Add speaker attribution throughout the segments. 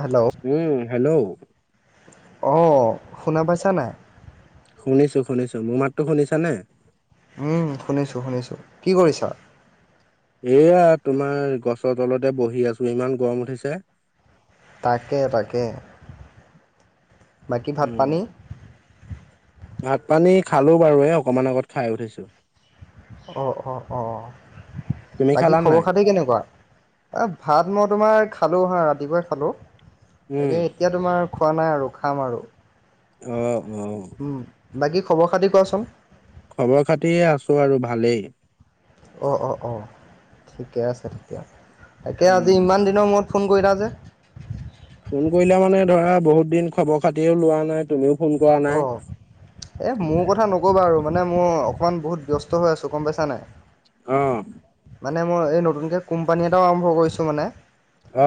Speaker 1: Hello
Speaker 2: উম, hello.
Speaker 1: অহ, শুনা পাইছা নাই?
Speaker 2: শুনিছোঁ শুনিছোঁ। মোৰ মাতটো শুনিছানে?
Speaker 1: উম, শুনিছোঁ শুনিছোঁ। কি কৰিছা?
Speaker 2: এইয়া তোমাৰ গছৰ তলতে বহি আছোঁ ইমান গৰম উঠিছে।
Speaker 1: তাকে তাকে। বাকী ভাত
Speaker 2: উম
Speaker 1: পানী?
Speaker 2: ভাত পানী খালো বাৰু এ অকমান আগত খায় উঠিছোঁ।
Speaker 1: অহ', অহ', অহ'।
Speaker 2: তুমি
Speaker 1: বাকী
Speaker 2: খালা
Speaker 1: খবৰ
Speaker 2: নাই?
Speaker 1: খাতি কেনেকুৱা? এই ভাত মই তোমাৰ খালোঁ হা ৰাতিপুৱাই খালোঁ।
Speaker 2: উম
Speaker 1: তাকে এতিয়া তোমাৰ খোৱা নাই আৰু খাম আৰু।
Speaker 2: অহ', অও।
Speaker 1: উম বাকী খবৰ খাতি কোৱাচোন?
Speaker 2: খবৰ খাতি আছোঁ আৰু ভালেই।
Speaker 1: অহ', অহ', অহ' ঠিকে আছে তেতিয়া। তাকে
Speaker 2: উম
Speaker 1: আজি ইমান দিনৰ মূৰত ফোন কৰিলা যে।
Speaker 2: ফোন কৰিলা মানে ধৰা বহুত দিন খবৰ খাতিও লোৱা নাই তুমিও। [unintelligible] ফোন কৰা নাই
Speaker 1: অঁ এই মোৰ কথা
Speaker 2: [unintelligible]
Speaker 1: নকবা আৰু মানে মোৰ অকণমান বহুত ব্যস্ত হৈ আছোঁ গম পাইছা নাই। [inaudible]
Speaker 2: অঁ। [unintelligible]
Speaker 1: মানে মই এই নতুনকৈ কোম্পানী এটাও আৰম্ভ কৰিছোঁ মানে।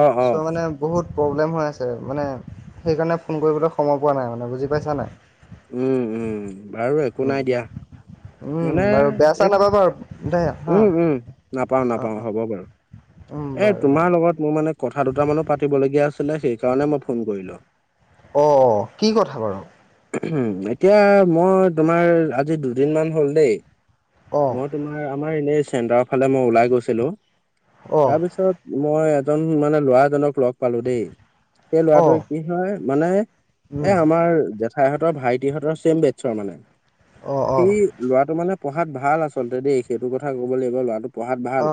Speaker 2: অ অ
Speaker 1: ছ' মানে [inaudible] বহুত প্ৰব্লেম হৈ আছে মানে সেইকাৰণে ফোন কৰিবলৈ সময় পোৱা নাই মানে বুজি পাইছা নাই। [unintelligible]
Speaker 2: উম-উম! বাৰু একো
Speaker 1: উম।
Speaker 2: নাই দিয়া। [inaudible]
Speaker 1: উম!
Speaker 2: মানে
Speaker 1: বাৰু বেয়া-চেয়া
Speaker 2: এই
Speaker 1: নাপাব আৰু দেই হা
Speaker 2: উম উম নাপাও
Speaker 1: [unintelligible]
Speaker 2: নাপাও
Speaker 1: অঁ-অঁ!
Speaker 2: হ'ব বাৰু।
Speaker 1: উম!
Speaker 2: এ
Speaker 1: বাৰু।
Speaker 2: তোমাৰ
Speaker 1: [inaudible]
Speaker 2: লগত মোৰ মানে কথা দুট মানো পাতিবলগীয়া আছিলে সেই কাৰণে মই ফোন কৰিলো। [inaudible]
Speaker 1: অঁ! কি কথা বাৰু? [unintelligible]
Speaker 2: [inaudible] এতিয়া মই তোমাৰ আজি দুদিন মান হ'ল দেই
Speaker 1: অ
Speaker 2: মই [unintelligible] তোমাৰ আমাৰ এনেই চেণ্টাৰৰ ফালে মই ওলাই গৈছিলো
Speaker 1: অ
Speaker 2: তাৰপিছত [inaudible] মই এজন মানে ল'ৰা এজনক লগ পালো দেই সেই
Speaker 1: অ
Speaker 2: লৰাটোৱে কি হয় মানে [unintelligible]
Speaker 1: উম
Speaker 2: এ আমাৰ জেঠাইহঁতৰ ভাইটিহঁতৰ ছেম বেটছৰ মানে
Speaker 1: অ অ
Speaker 2: সি [unintelligible] লৰাটো মানে পঢ়াত ভাল আচলতে দেই সেইটো কথা ক'ব লাগিব ল'ৰাটো পঢ়াত
Speaker 1: অ
Speaker 2: ভাল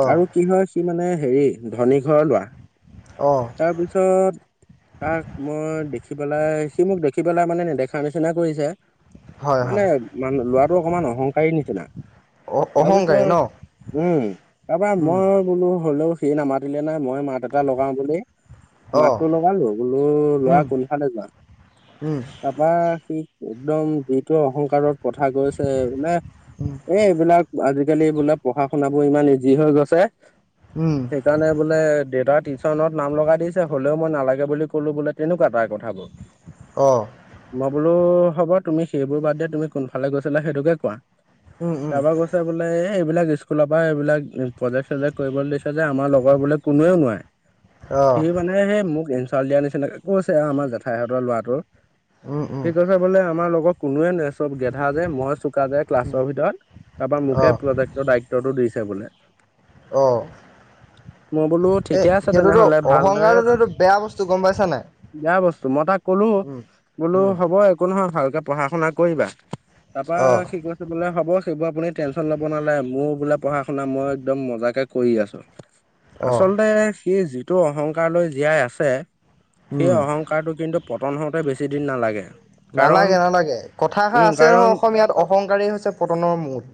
Speaker 1: অ
Speaker 2: আৰু [unintelligible] কি হয় সি মানে হেৰি ধনী ঘৰৰ লৰা। [unintelligible]
Speaker 1: অ! [unintelligible]
Speaker 2: তাৰপিছত [inaudible] তাক মই দেখি পেলাই সি মোক দেখি পেলাই মানে নেদেখা নিচিনা কৰিছে। [unintelligible]
Speaker 1: হয়-হয়। [inaudible]
Speaker 2: [unintelligible] মানে ল'ৰাটো অকণমান অহংকাৰী নিচিনা।
Speaker 1: অ অহংকাৰী ন
Speaker 2: তাৰপিছত উম! তাৰপা
Speaker 1: উম
Speaker 2: মই [inaudible] মই বোলো হ'লেও সি নামাতিলে নাই মই মাত এটা লগাওঁ বুলি [inaudible]
Speaker 1: অ
Speaker 2: মাতটো লগালো বোলো লৰা
Speaker 1: উম
Speaker 2: কোনফালে যোৱা
Speaker 1: উম
Speaker 2: তা [unintelligible] বা সি একদম যিটো অহংকাৰত [inaudible] কথা কৈছে বোলে
Speaker 1: উম
Speaker 2: এই এইবিলাক আজিকালি বোলে [inaudible] পঢ়া-শুনাবোৰ ইমান ইজি হৈ গৈছে। [inaudible]
Speaker 1: উম! [unintelligible]
Speaker 2: সেইকাৰণে বোলে দেউতাৰ টিউচনত নাম লগাই দিছে হ'লেও মই নালাগে বুলি ক'লো বোলে তেনেকুৱা তাৰ কথাবোৰ। [inaudible] [inaudible]
Speaker 1: অ! [unintelligible]
Speaker 2: মই বোলো হ'ব তুমি সেইবোৰ বাদ দিয়া তুমি কোনফালে গৈছিলা সেইটোকে কোৱা?
Speaker 1: উম
Speaker 2: [inaudible]
Speaker 1: উম
Speaker 2: তাৰপৰা কৈ [unintelligible] [unintelligible] ছে বোলে এইবিলাক স্কুলৰ পৰা এইবিলাক প্ৰজেক্ট-চজেক্ট কৰিবলৈ দিছে যে আমাৰ লগৰ বোলে কোনোৱেও নোৱাৰে।
Speaker 1: অ
Speaker 2: [inaudible] সি মানে সেই মোক ইনচাল দিয়া নিচিনাকে কৈছে আমাৰ জেঠাইহঁতৰ লৰাটো। [inaudible]
Speaker 1: উম-উম। [unintelligible]
Speaker 2: [inaudible] আমাৰ লগত কোনোৱে নোৱাৰে চব গেধা যে মই চোকা যে [unintelligible]
Speaker 1: উম
Speaker 2: ক্লাছৰ ভিতৰত। তাৰ পৰা
Speaker 1: অ
Speaker 2: মোকে প্ৰজেক্টৰ দায়িত্বটো দিছে বোলে। [inaudible]
Speaker 1: অ!
Speaker 2: মই বোলো
Speaker 1: [inaudible] এ
Speaker 2: ঠিকে আছে
Speaker 1: সেইটোতো
Speaker 2: তেনেহ'লে ভালদৰে
Speaker 1: অহংকাৰটোতো সেইটো বেয়া বস্তু গম পাইছা নে নাই? [unintelligible]
Speaker 2: বেয়া বস্তু। মই তাক ক'লো
Speaker 1: উম,
Speaker 2: বোলো
Speaker 1: উম।
Speaker 2: হ'ব একো নহয় ভালকে পঢ়া-শুনা কৰিবা। [unintelligible] তাৰপা
Speaker 1: অ',
Speaker 2: সি কৈ [unintelligible] বোলে হ'ব সেইবোৰ আপুনি টেনশ্যন ল'ব নালাগে। মোৰ বোলে পঢ়া-শুনা মই একদম মজাকে কৰি আছো। [inaudible]
Speaker 1: অ',
Speaker 2: আচলতে সি যিটো অহংকাৰলৈ জীয়াই আছে সেই
Speaker 1: উম,
Speaker 2: অহংকাৰ [inaudible] কাৰটো কিন্তু পতন হওঁতে বেছি দিন নালাগে। কাৰণ
Speaker 1: নালাগে নালাগে কথাষাৰ
Speaker 2: উম
Speaker 1: আছে
Speaker 2: কাৰণ
Speaker 1: নহয় অসমীয়াত অহংকাৰেই হৈছে পতনৰ মূল।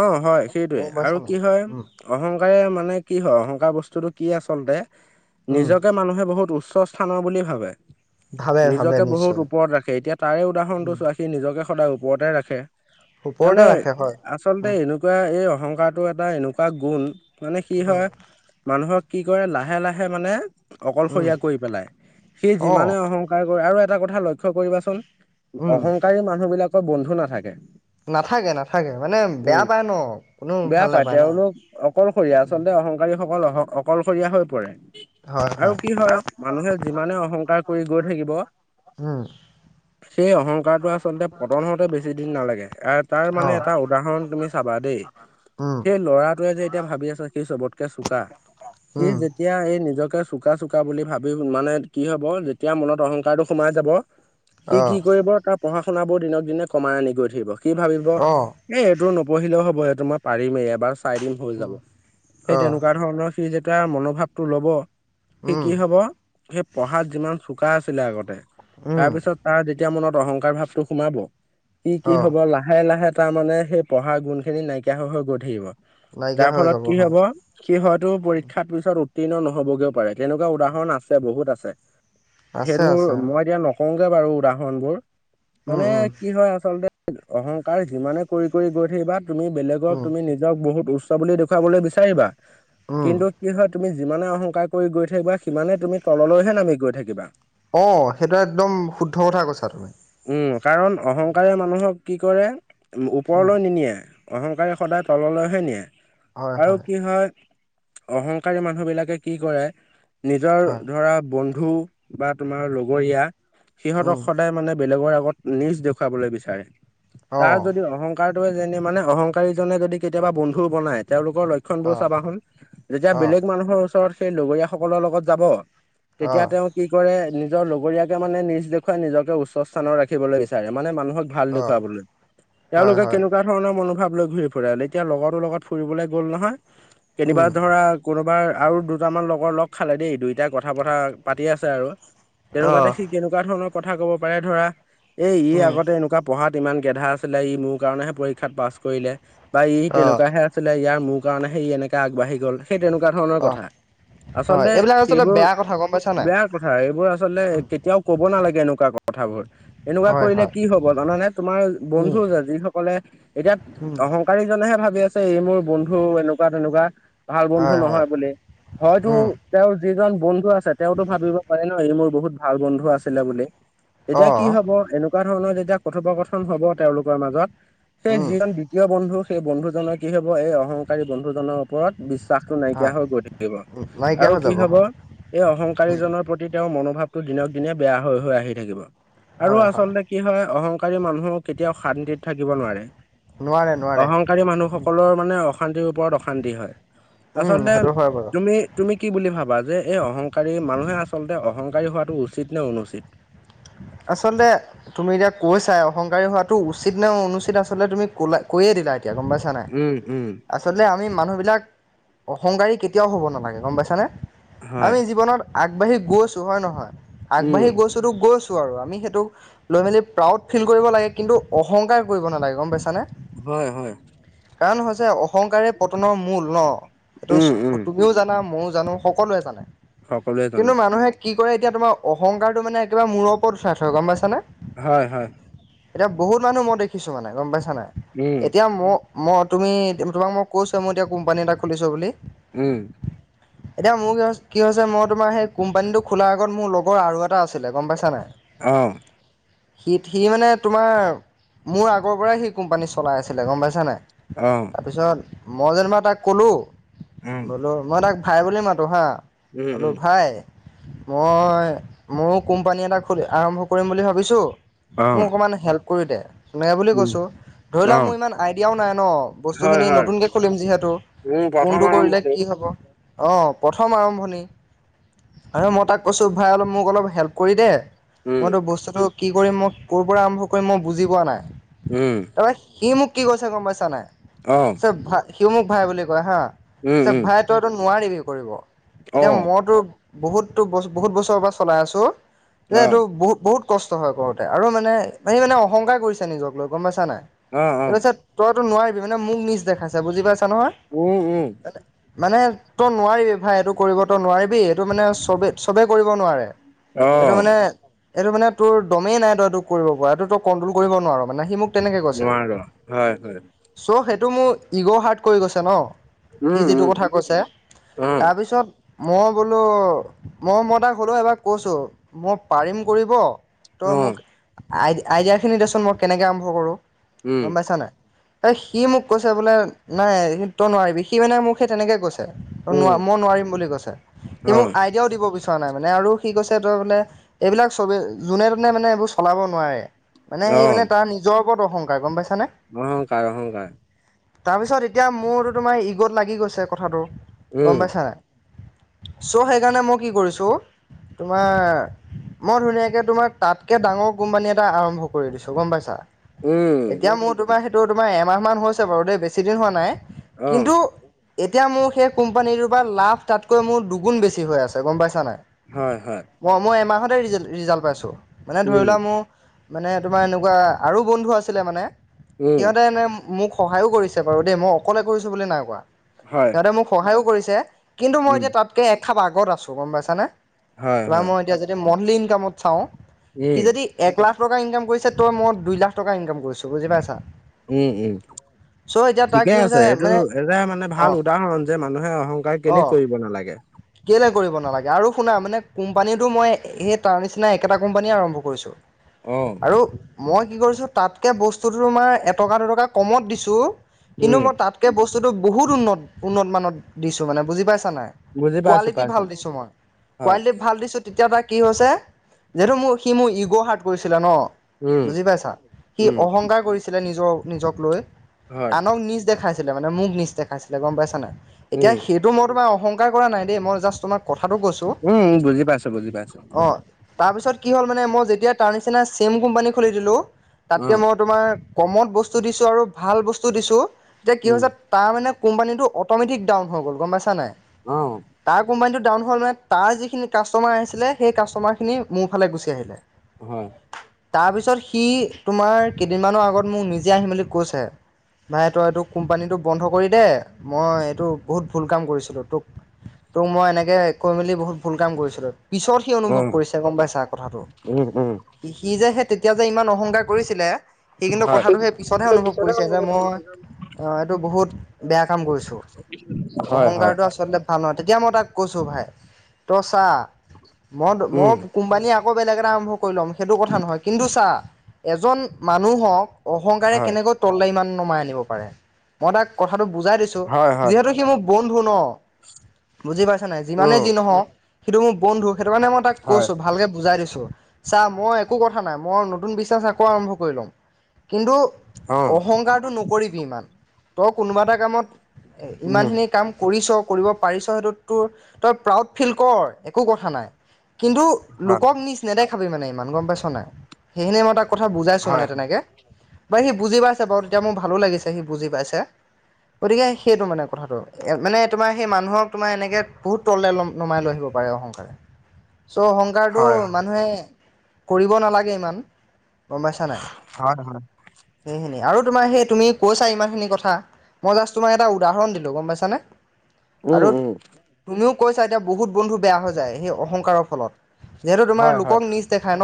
Speaker 2: অ' হয় সেইটোৱে
Speaker 1: গম
Speaker 2: আৰু
Speaker 1: পাইছা নাই?
Speaker 2: কি হয়
Speaker 1: উম,
Speaker 2: অহংকাৰে মানে কি হয় অহংকাৰ বস্তুটো কি আচলতে
Speaker 1: উম,
Speaker 2: নিজকে মানুহে বহুত উচ্চ স্থানৰ বুলি ভাবে
Speaker 1: ভাবে ভাবে
Speaker 2: নিজকে বহুত
Speaker 1: নিশ্চয়।
Speaker 2: ওপৰত ৰাখে এতিয়া তাৰে উদাহৰণ টো
Speaker 1: উম,
Speaker 2: চোৱা সি নিজকে সদায় ওপৰতে ৰাখে মানে
Speaker 1: ওপৰতে ৰাখে হয়।
Speaker 2: আ চলতে
Speaker 1: উম,
Speaker 2: এনেকুৱা এই অহংকাৰটো এটা এনেকুৱা গুণ মানে কি হয় মানুহক কি কৰে লাহে লাহে মানে
Speaker 1: উম,
Speaker 2: অকলশৰীয়া কৰি পেলাই সি
Speaker 1: অ',
Speaker 2: যিমানে অহং কাৰ কৰে আৰু এটা কথা লক্ষ্য কৰিবাচোন
Speaker 1: উম,
Speaker 2: অহংকাৰী মানুহ বিলাকৰ বন্ধু নাথাকে।
Speaker 1: নাথাকে নাথাকে মানে
Speaker 2: উম
Speaker 1: বেয়া পায় ন কোনো
Speaker 2: বেয়া
Speaker 1: ভাল
Speaker 2: পায়
Speaker 1: নাপায় না।
Speaker 2: তেওঁলোক অকলশৰীয়া আচলতে অ সংকৰী সকল অ' অকলশৰীয়া হৈ পৰে আৰু কি হয় মানুহে যিমানে অহংকাৰ কৰি গৈ থাকিব
Speaker 1: উম,
Speaker 2: সেই অহংকাৰটো আচলতে পতন হওঁতে বেছি দিন নালাগে তাৰ মানে
Speaker 1: অ',
Speaker 2: এটা উদাহৰণ তুমি চাবা দেই
Speaker 1: উম,
Speaker 2: সেই ল'ৰাটোৱে যে এতিয়া ভাবি আছ সি চবতকে চোকা সি
Speaker 1: উম,
Speaker 2: যেতিয়া এই নিজকে চোকা চোকা বুলি ভাবি মানে কি হ'ব যেতিয়া মনত অহংকাৰটো সোমাই যাব। সি কি
Speaker 1: অ',
Speaker 2: কৰিব তাৰ পঢ়া শুনাবোৰ দিনক দিনে কমাই আনি গৈ থাকিব কি ভাবিব
Speaker 1: অ',
Speaker 2: এই এইটো নপঢ়িলেও হ'ব এইটো মই পাৰিমেই এবাৰ চাই দিম হৈ যাব।
Speaker 1: উম,
Speaker 2: সেই
Speaker 1: অ',
Speaker 2: তেনেকুৱা ধৰণৰ সি যেতিয়া মনোভাৱটো লব সি
Speaker 1: উম,
Speaker 2: কি হ'ব সেই পঢ়াত যিমান চোকা আছিলে আগতে
Speaker 1: উম।
Speaker 2: তাৰ পিছত তাৰ যেতিয়া মনত অহংকাৰ ভাৱটো সোমাব কি কি
Speaker 1: অ
Speaker 2: হব লাহে লাহে তাৰমানে সেই পঢ়াৰ গুণ খিনি নাইকিয়া হৈ হৈ গৈ থাকিব
Speaker 1: নাইকিয়া
Speaker 2: যাৰ
Speaker 1: হৈ
Speaker 2: ফলত
Speaker 1: যাব
Speaker 2: কি
Speaker 1: হয়
Speaker 2: হব সি হয়তো পৰীক্ষাৰ পিছত উত্তীৰ্ণ নহবগেও পাৰে তেনেকুৱা উদাহৰণ আছে বহুত আছে
Speaker 1: আছে
Speaker 2: সেইবোৰ
Speaker 1: আছে
Speaker 2: মই এতিয়া নকওঁগে বাৰু উদাহৰণ বোৰ
Speaker 1: উম
Speaker 2: মানে
Speaker 1: উম
Speaker 2: কি হয় আচলতে অহংকাৰ যিমানে কৰি কৰি গৈ থাকিবা তুমি বেলেগক
Speaker 1: উম
Speaker 2: তুমি নি জক বহুত উচ্চ বুলি দেখুৱাবলৈ বিচাৰিবা
Speaker 1: উম
Speaker 2: কিন্তু কি হয় তুমি যিমানে অহংকাৰ কৰি গৈ থাকিবা সিমানে তুমি তললৈহে নামি গৈ থাকিবা
Speaker 1: অঁ সেইটো একদম শুদ্ধ কথা কৈছা তুমি।
Speaker 2: উম কাৰণ অহংকাৰে মানুহক কি কৰে
Speaker 1: উম
Speaker 2: ওপৰলৈ নিনিয়ে। অহংকাৰে সদায় তললৈহে নিয়ে আৰু কি হয় অহংকাৰী মানুহ বিলাকে কি কৰে নিজৰ
Speaker 1: হয়
Speaker 2: ধৰা বন্ধু বা তোমাৰ
Speaker 1: উম
Speaker 2: লগৰীয়া সিহঁতক
Speaker 1: উম
Speaker 2: সদায় মানে বেলেগৰ আ নিজ দেখাবলৈ বিচাৰে
Speaker 1: অ
Speaker 2: তাৰ যদি অহং কাৰটোৱে যে মানে অহংকাৰীজনে যদি কেতিয়াবা বন্ধু বনাই তেওঁলোকৰ লক্ষ্য শণ বোৰ
Speaker 1: অ
Speaker 2: চাবা হোন যেতিয়া
Speaker 1: অ
Speaker 2: বেলেগ মানুহৰ ওচৰত সেই লগৰীয়া সকলৰ লগত যাব
Speaker 1: অ
Speaker 2: তেতিয়া তেওঁ কি কৰে নিজৰ লগৰীয়াকে মানে নিজ দেখুৱাই নিজকে উচ্চ স্থানৰ ৰাখি ব দেখিবলৈ বিচাৰে মানে মানুহক ভাল
Speaker 1: অ
Speaker 2: দেখুৱাবলৈ
Speaker 1: হয়
Speaker 2: এওঁলোকে
Speaker 1: হয়
Speaker 2: কেনেকুৱা ধৰণৰ মনোভাৱ লৈ ঘূৰি ফুৰে ল এতিযা লগতো লগত ফুৰিবলে গ'ল নহয় কেনিবা
Speaker 1: উম
Speaker 2: ধৰা কোনোবাৰ আৰু দুটামান লগৰ লগ খালে দেই দুইটাই কথা বথা পাতি আছে আৰু
Speaker 1: অ
Speaker 2: তেনেকুৱা দেখি কেনেকুৱা ধৰণৰ কথা কব পাৰে ধৰা এই ই
Speaker 1: উম
Speaker 2: আগতে এনেকুৱা পঢ়াত ইমান গেধা আছিলে, ই মোৰ কাৰণেহে পৰীক্ষাত পাছ কৰিলে বা ই
Speaker 1: অ
Speaker 2: তেনেকুৱাহে আছিলে ইয়াৰ মোৰ কাৰণে সে ই এনেকে আগবাঢ়ি গ'ল সেই তেনেকুৱা ধৰণৰ
Speaker 1: অ
Speaker 2: কথা
Speaker 1: হয়
Speaker 2: আচলতে
Speaker 1: এইবিলাক আচলতে
Speaker 2: সেইবোৰ
Speaker 1: বেয়া কথা গম পাইছা নাই
Speaker 2: বেয়া কথা এইবোৰ আচলতে
Speaker 1: উম
Speaker 2: কেতিয়াও ক'ব নালাগে এনেকুৱা কথাবোৰ এনেকুৱা
Speaker 1: হয়
Speaker 2: কৰিলে
Speaker 1: হয়
Speaker 2: কি হব জানানে তোমাৰ
Speaker 1: উম
Speaker 2: বন্ধু যিসকলে এতিয়া
Speaker 1: উম
Speaker 2: আহ কাৰীজনেহে ভাবি আছে এই মোৰ বন্ধু এনেকুৱা তেনেকুৱা। ভাল বন্ধু
Speaker 1: হয় হয়
Speaker 2: নহয় বুলি, হয়তো
Speaker 1: উম
Speaker 2: তেওঁৰ যিজন বন্ধু আ- ছে তেওঁতো ভাবিব পাৰে ন ই মোৰ বহুত ভাল বন্ধু আছিলে বুলি।
Speaker 1: অ
Speaker 2: এতিয়া ব এনেকুৱা ধৰণৰ যেতিয়া কথোপকথন হব তেওঁলোকৰ মাজত সেই
Speaker 1: উম
Speaker 2: যিজন ব্য- ক্তি বন্ধু সেই বন্ধুজনৰ কি হ'ব এই অহংকাৰী বন্ধুজনৰ ওপৰত বিশ্বাসটো নাইকিয়া
Speaker 1: হয়
Speaker 2: হৈ গৈ থাকিব।
Speaker 1: নাইকিয়া
Speaker 2: আৰু
Speaker 1: হৈ
Speaker 2: কি
Speaker 1: যাব
Speaker 2: হব
Speaker 1: হয়
Speaker 2: এই
Speaker 1: উম
Speaker 2: অহংকাৰীজনৰ প্ৰতি তেওঁৰ মনোভাৱটো দিনক দিনে বেয়া হৈ হৈ আহি থাকিব। আৰু
Speaker 1: হয় হয়
Speaker 2: আচলতে কি হয় অহংকাৰী মানুহো কেতিয়াও শান্তিত থাকিব নোৱাৰে।
Speaker 1: নোৱাৰে নোৱাৰে
Speaker 2: অহং- কাৰী মানুহসকলৰ মানে অশান্তিৰ ওপৰত অশান্তি হয়।
Speaker 1: উম
Speaker 2: আচলতে
Speaker 1: সেইটো হয় বাৰু
Speaker 2: তুমি তুমি কি বুলি ভাবা যে এই অহংকাৰী মানুহে আচলতে অহংকাৰী হোৱাটো উচিত নে অনুচিত?
Speaker 1: আচলতে তুমি এতিয়া কৈছা, অ- হংকাৰী হোৱাটো উচিত নে অনুচিত আচলতে তুমি কলা কৈয়ে দিলা এতিয়া গম পাইছা। নাই
Speaker 2: উম উম।
Speaker 1: আচলতে আমি মানুহবিলাক অহংকাৰী কেতিয়াও হ'ব নালাগে গম পাইছানে।
Speaker 2: হয়।
Speaker 1: আমি জীৱনত আগবাঢ়ি গৈছো হয় নহয়,
Speaker 2: উম
Speaker 1: আগবাঢ়ি গৈছো টো গৈ- ছো আৰু আমি সেইটোক লৈ মেলি প্ৰাউড ফিল কৰিব লাগে কিন্তু অহংকাৰ কৰিব নালাগে গম পাইছা নে।
Speaker 2: হয় হয়।
Speaker 1: কাৰণ হৈছে অহংকাৰে পতনৰ মূল ন।
Speaker 2: উম উম
Speaker 1: সেইটো তুমিও জানা মইয়ো জানো সকলোৱে জানে।
Speaker 2: সকলোৱে জানে
Speaker 1: কিন্তু মানুহে কি কৰে এতিয়া তোমাৰ অংকাৰটো মানে একেবাৰে মূৰ ওপৰত উঠাই থয় গম পাইছানে।
Speaker 2: হয় হয়।
Speaker 1: এতিয়া বহুত মানুহ মই দেখিছো মানে গম পাইছা নাই।
Speaker 2: উম
Speaker 1: এতিয়া মোৰ মই তুমি তোমাক মই কৈছোৱে মই এতিয়া কোম্পানী এটা খুলিছো বুলি
Speaker 2: উম।
Speaker 1: এতিয়া মোৰ কি হৈছ কি হৈছে মই তোমাৰ সেই কোম্পানীটো খোলাৰ আগত মোৰ লগৰ আৰু এটা আছিলে গম পাইছা নাই।
Speaker 2: অঁ।
Speaker 1: সি সি মানে তোমাৰ মোৰ আগৰ পৰাই সি কোম্পানী চলাই আছিলে গম পাইছ নাই।
Speaker 2: অ
Speaker 1: তাৰপিছত মই যেনিবা তাক কলো,
Speaker 2: উম
Speaker 1: বোলো মই তাক ভাই বুলি মাতোঁ হাঁ,
Speaker 2: উম
Speaker 1: ক'লো
Speaker 2: উম
Speaker 1: ভাই মই মইয়ো কোম্পানী এটা খুলি আৰম্ভ কৰিম বুলি ভাবিছোঁ,
Speaker 2: অ
Speaker 1: মোক অকণমান হেল্প কৰি দে তেনেকে বুলি
Speaker 2: উম
Speaker 1: কৈছোঁ, ধৰি
Speaker 2: অ
Speaker 1: লোৱা মোৰ ইমান আইডিয়াও নাই ন
Speaker 2: হয়
Speaker 1: বস্তুখিনি
Speaker 2: হয়
Speaker 1: নতুনকে খুলিম যিহেতু।
Speaker 2: উম, প্ৰথম
Speaker 1: কোনটো কৰিলে
Speaker 2: আৰম্ভণি।
Speaker 1: কি হব, আহ প্ৰথম আৰম্ভণি। তাৰ পিছত মই তাক কৈছোঁ ভাই অলপ মোক অলপ হেল্প কৰি দে
Speaker 2: উম,
Speaker 1: মইতো বস্তুটো কি কৰিম মই কৰ পৰা আৰম্ভ কৰিম মই বুজি পোৱা নাই।
Speaker 2: উম।
Speaker 1: তাৰ পা সি মোক কি কৈছে গম পাইছা নাই
Speaker 2: অঁ।
Speaker 1: চ ভাই সিও মোক ভাই বুলি কয় হা,
Speaker 2: উম,
Speaker 1: চা
Speaker 2: উম,
Speaker 1: ভাই তইতো নোৱাৰিবি কৰিব। এতিয়া
Speaker 2: অ',
Speaker 1: মইতো বহুতো ব বহুত বছৰৰ পৰা চলাই আছো। যে এইটো
Speaker 2: অ',
Speaker 1: বহুত বহুত কষ্ট হয় কৰোতে আৰু মানে সি মানে অহংকাৰ কৰিছে নিজক লৈ গম পাইছা নাই।
Speaker 2: অ',
Speaker 1: সি
Speaker 2: অ',
Speaker 1: কৈছে তইতো নোৱাৰিবি, মানে মোক নিছ দেখাইছে বুজি পাইছা নহয়।
Speaker 2: উম উম।
Speaker 1: মানে তই নোৱাৰিবি ভাই এইটো কৰিব তো নোৱাৰিবি এইটো মানে চবে চবে কৰিব নোৱাৰে। এইটো
Speaker 2: অ',
Speaker 1: মানে এইটো মানে তোৰ দমেই নাই তই এইটো কৰিব পৰা এইটো তই কণ্ট্ৰল কৰিব নোৱাৰ, মানে সি মোক তেনেকে কৈছে,
Speaker 2: নোৱাৰো হয়, হয়,
Speaker 1: চ্ সেইটো মোৰ ইগ' হাৰ্ট কৰি গৈছে ন। সি
Speaker 2: উম,
Speaker 1: যিটো
Speaker 2: উম,
Speaker 1: কথা কৈছে,
Speaker 2: অ',
Speaker 1: তাৰপিছত মই বোলো মই মই তাক হ'লেওঁ এবাৰ কৈছোঁ, মই পাৰিম কৰিব। তই মোক
Speaker 2: অ',
Speaker 1: আইডিয়া খিনি দেচোন মই কেনেকে আৰম্ভ কৰোঁ,
Speaker 2: উম,
Speaker 1: গ'ম পাইছানে নাই? এ সি মোক কৈছে বোলে নাই স তই নোৱাৰিবি সি মানে মোক সেই তেনেকে কৈছে। মই
Speaker 2: উম,
Speaker 1: নোৱাৰিম বুলি কৈছে, সি
Speaker 2: অ',
Speaker 1: মোক আইডিয়াও দিব বিচৰা নাই মানে আৰু সি কৈছে বোলে এইবিলাক চ'বে যোনে তোনে মানে এইবোৰ চলাব নোৱাৰে। মানে সেই মানে
Speaker 2: অ',
Speaker 1: তাৰ নিজৰ ওপৰত অহংকাৰ গ'ম পাইছানে?
Speaker 2: অহংকাৰ অহংকাৰ।
Speaker 1: তাৰপিছত এতিয়া মোৰতো তোমাৰ ইগত লাগি গৈছে কথাটো,
Speaker 2: উম,
Speaker 1: গ'ম পাইছা নে নাই? ছ' সেইকাৰণে মই কি কৰিছোঁ। তোমাৰ মই ধুনীয়াকে তোমাৰ তাতকে ডাঙৰ কোম্পানী এটা আৰম্ভ কৰি দিছো, গ'ম পাইছা!
Speaker 2: উম,
Speaker 1: এতিয়া মোৰ তোমাৰ সেইটো তোমাৰ এমাহ মান হৈছে বাৰু দেই, বেছি দিন হোৱা নাই।
Speaker 2: অ',
Speaker 1: কিন্তু এতিয়া মোৰ সেই কোম্পানীটোৰ পৰা লাভ তাতকৈ মোৰ দুগুণ বেছি হৈ আছে, গ'ম পাইছা নে নাই!
Speaker 2: হয়, হয়।
Speaker 1: মই মই এমাহতে ৰিজ-ৰিজাল্ট পাইছোঁ, মানে ধৰি
Speaker 2: উম,
Speaker 1: লোৱা মোৰ মানে তোমাৰ এনেকুৱা আৰু বন্ধু আছিলে মানে,
Speaker 2: উম,
Speaker 1: সিহঁতে এনে মোক সহায়ো কৰিছে বাৰু দেই, মই অকলে কৰিছোঁ বুলি নাই কোৱা।
Speaker 2: হয়।
Speaker 1: সিহঁতে মোক সহায়ো কৰিছে কিন্তু, মই
Speaker 2: উম,
Speaker 1: এতিয়া তাতকে এক খাপ আগত আছো গ'ম পাইছানে!
Speaker 2: হয়,
Speaker 1: তোমাৰ
Speaker 2: হয়,
Speaker 1: মই এতিয়া যদি মন্থলি ইনকামত চাওঁ, সি
Speaker 2: উম,
Speaker 1: যদি এক লাখ টকা ইনকাম কৰিছে, ত' মই দুই লাখ টকা ইনকাম কৰিছোঁ, বুজি পাইছা?
Speaker 2: উম, উম।
Speaker 1: চ' এতিয়া তাৰ
Speaker 2: ঠিকে
Speaker 1: কি
Speaker 2: আছে
Speaker 1: হৈছে
Speaker 2: সেইটো
Speaker 1: মানে
Speaker 2: এটাই মানে
Speaker 1: অ
Speaker 2: ভাল উদাহৰণ যে, মানুহে অহংকাৰ
Speaker 1: অ
Speaker 2: কেলে কৰিব নালাগে।
Speaker 1: কেলে কৰিব নালাগে, আৰু শুনা মানে কোম্পানীওটো মই সেই তাৰ নিচিনা একেটা কোম্পানীয়ে আৰম্ভ কৰিছোঁ।
Speaker 2: অ'।
Speaker 1: আৰু মই কি কৰিছোঁ, তাতকৈ বস্তুটো তোমাৰ এটকা দুটকা কমত দিছোঁ। কিন্তু
Speaker 2: উম,
Speaker 1: মই তাতকে বস্তুটো বহুত উন্নত উন্নত মানত দিছোঁ, মানে বুজি পাইছা নাই?
Speaker 2: বুজি পাইছো,
Speaker 1: কোৱালিটি ভাল
Speaker 2: পাইছো,
Speaker 1: দিছোঁ মই,
Speaker 2: হয়।
Speaker 1: কোৱালিটি ভাল দিছোঁ, তেতিয়া তাৰ কি হৈছে যিহেতু, মোৰ সি মোৰ ইগ' হাৰ্ট কৰিছিলে ন'?
Speaker 2: উম,
Speaker 1: বুজি পাইছা, সি
Speaker 2: উম,
Speaker 1: অহংকাৰ কৰিছিলে নিজৰ নিজক লৈ
Speaker 2: হয়,
Speaker 1: আনক নীচ দেখাইছিল মোক নীচ দেখাইছিলে গ'ম পাইছ নাই, এতিয়া
Speaker 2: উম,
Speaker 1: সেই টো মই তোমাৰ অংকাৰ কৰা নাই দেই, মই জাষ্ট তোমাক কথাটো কৈছোঁ।
Speaker 2: উম, বুজি পাইছ বুজি পাইছ।
Speaker 1: অ', তাৰপিছত কি হ'ল মানে মই যেতিয়া তাৰ নিচিনা ছেম কোম্পানী খুলি দিলোঁ, তাতকে
Speaker 2: উম,
Speaker 1: মই তোমাৰ কমত বস্তু দিছোঁ, আৰু ভাল বস্তু দিছোঁ, তেতিয়া কি
Speaker 2: উম,
Speaker 1: হৈছে তাৰ মানে কোম্পানীটো অট'মেটিক ডাউন হৈ গ'ল গম পাইছা নাই,
Speaker 2: অ',
Speaker 1: তাৰ কোম্পানীটো ডাউন হ'ল মানে তাৰ যিখিনি কাষ্টমাৰ আহিছিলে, সেই কাষ্টমাৰ খিনি মোৰ ফালে গুচি আহিলে।
Speaker 2: হয়।
Speaker 1: তাৰ পিছত সি তোমাৰ কেইদিনমানৰ আগত মোক নিজে আহিম বুলি কৈছে। ভাই তই এইটো কোম্পানীটো বন্ধ কৰি দে, মই এইটো বহুত ভুল কাম কৰিছিলোঁ, তোক তোক মই এনেকে কৈ মেলি বহুত ভুল কাম কৰিছিলোঁ, পিছত সি অনুভৱ
Speaker 2: উম,
Speaker 1: কৰিছে গ'ম পাইছা কথাটো!
Speaker 2: উম, উম,
Speaker 1: সি যে সে তেতিয়া যে ইমান অহংকাৰ কৰিছিলে। সি, কিন্তু
Speaker 2: হয়,
Speaker 1: কথাটো সেই, পিছতহে অনুভৱ কৰিছে, যে মই এইটো বহুত বেয়া কাম কৰিছোঁ।
Speaker 2: হয়, হয়।
Speaker 1: ভাল নহয়, তেতিয়া মই তাক কৈছোঁ ভাই তই চা, মই, মই
Speaker 2: উম,
Speaker 1: কোম্পানীয়ে আকৌ বেলেগ এটা আৰম্ভ কৰি ল'ম, সেইটো কথা নহয়, কিন্তু চা, এজন মানুহক অহংকাৰে
Speaker 2: হয়,
Speaker 1: কেনেকৈ তললৈ ইমান নমাই আনিব পাৰে, মই তাক কথাটো বুজাই দিছোঁ।
Speaker 2: হয়, হয়,
Speaker 1: যিহেতু সি মোৰ বন্ধু ন, বুজি পাইছা নাই যিমানে
Speaker 2: উম,
Speaker 1: যি নহওঁক। সেইটো মোৰ বন্ধু, সেইটো কাৰণে মই তাক
Speaker 2: হয়,
Speaker 1: কৈছোঁ ভালকে বুজাই দিছোঁ। চা, মই একো কথা নাই মই নতুন বিজনেচ একো আৰম্ভ কৰি লম, কিন্তু
Speaker 2: অ',
Speaker 1: অহংকাৰটো নকৰিবি ইমান, তই কোনোবা এটা কামত
Speaker 2: উম,
Speaker 1: ইমানখিনি কাম কৰিছ, কৰিব পাৰিছ, সেইটোত তোৰ, তই প্ৰাউড ফিল কৰ এ একো কথা নাই, কিন্তু
Speaker 2: হয়,
Speaker 1: লোকক নীচ নেদেখাবি মানে ইমান গম পাইছ নাই, সেইখিনিয়ে মই তাক কথা বুজাইছো
Speaker 2: হয়,
Speaker 1: মানে তেনেকে, বা সি বুজি পাইছে বাৰু তেতিয়া মোৰ ভালো লাগিছে, সি বুজি পাইছে। গতিকে সেইটো মানে কথাটো, মানে তোমাৰ সেই মানুহক তোমাৰ এনেকৈ বহুত তললৈ ল'ম নমাই লৈ আহিব পাৰে অহংকাৰ, চ, অহংকাৰটো
Speaker 2: হয়,
Speaker 1: মানুহে কৰিব নালাগে ইমান, গম পাইছা নে নাই?
Speaker 2: হয়, হয়,
Speaker 1: সেইখিনি আৰু তোমাৰ সেই তুমি কৈছা, ইমান খিনি কথা। মই জাষ্ট তোমাক এটা উদাহৰণ দিলো, গম পাইছানে।
Speaker 2: উম,
Speaker 1: আৰু
Speaker 2: উম,
Speaker 1: তুমিও কৈছা এতিয়া বহুত বন্ধু বেয়া হৈ যায়, সেই অহংকাৰৰ ফলত। যিহেতু তোমাৰ
Speaker 2: হয়, হয়।
Speaker 1: লোকক নীচ দেখাই ন।